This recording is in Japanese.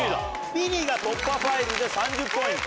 ビリが『突破ファイル』で３０ポイント。